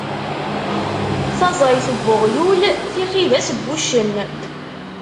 Taẓayt n uɣyul, tixidas n wuccen.